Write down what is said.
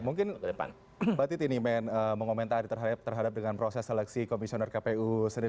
mungkin mbak titi nih mengomentari terhadap dengan proses seleksi komisioner kpu sendiri